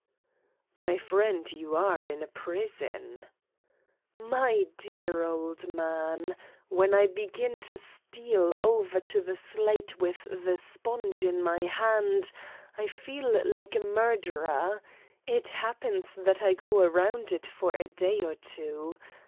"My friend, you are in a prison." "My dear old man! When I begin to steal over to the slate with the sponge in my hand I feel like a murderer. It happens that I go around it for a day or two.